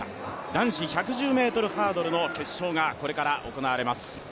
男子１１０ｍハードルの決勝がこれから行われます。